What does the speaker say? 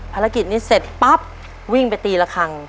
ภารกิจนี้เสร็จปั๊บวิ่งไปตีละครั้ง